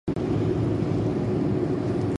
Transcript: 手袋